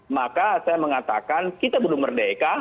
maka saya mengatakan kita belum merdeka